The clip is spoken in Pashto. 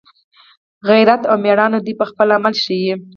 غیرت او میړانه دوی په خپل عمل یې ښایي